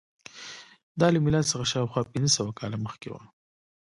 دا له میلاد څخه شاوخوا پنځه سوه کاله مخکې وه